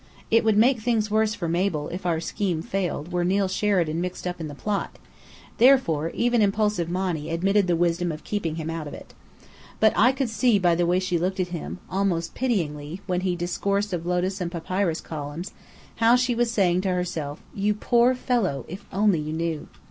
It would make things worse for Mabel (if our scheme failed) were Neill Sheridan mixed up in the plot; therefore, even impulsive Monny admitted the wisdom of keeping him out of it. But I could see by the way she looked at him almost pityingly when he discoursed of lotus and papyrus columns, how she was saying to herself: "You poor fellow, if only you knew!"